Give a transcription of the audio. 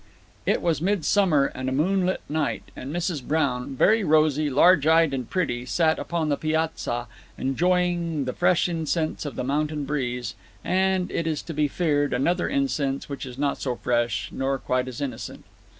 It was midsummer, and a moonlit night; and Mrs. Brown, very rosy, large eyed, and pretty, sat upon the piazza, enjoying the fresh incense of the mountain breeze, and, it is to be feared, another incense which was not so fresh, nor quite as innocent.